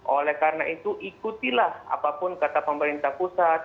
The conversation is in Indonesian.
oleh karena itu ikutilah apapun kata pemerintah pusat